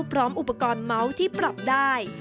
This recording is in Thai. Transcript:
พร้อมอุปกรณ์เมาส์ที่ปรับได้